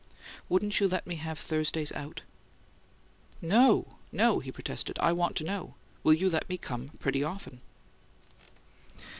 Wouldn't you let me have Thursdays out?" "No, no," he protested. "I want to know. Will you let me come pretty often?"